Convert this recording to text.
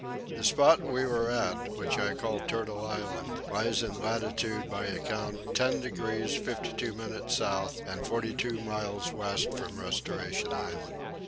The spot we were at, which I call Turtle Island, lies in latitude by account 10 degrees 52 minutes south and 42 miles west from Restoration Island.